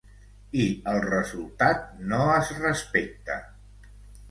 I el resultat no es respecta.